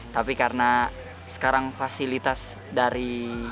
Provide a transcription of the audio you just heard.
tapi karena sekarang fasilitas dari